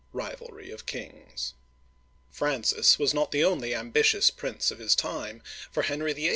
RIVALRY OF KINGS FRANCIS was not the only ambitious prince of his time, for Henry VIII.